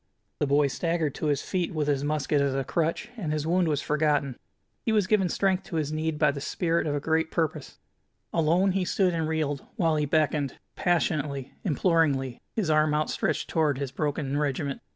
The boy staggered to his feet, with his musket as a crutch, and his wound was forgotten. He was given strength to his need by the spirit of a great purpose. Alone he stood and reeled, while he beckoned, passionately, imploringly, his arm outstretched toward his broken regiment.